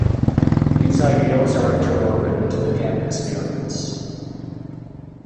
These ideals are interwoven into the camp experience.